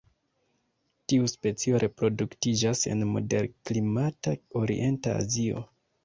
Tiu specio reproduktiĝas en moderklimata orienta Azio.